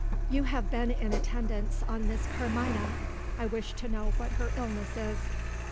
"You have been in attendance on Miss Carmina. I wish to know what her illness is."